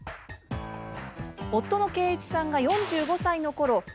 夫の啓一さんが４５歳のころ